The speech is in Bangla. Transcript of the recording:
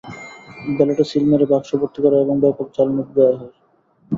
ব্যালটে সিল মেরে বাক্সভর্তি করা এবং ব্যাপক জাল ভোট দেওয়া হয়।